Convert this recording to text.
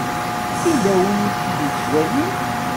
Yella win i k-id-ittwalin.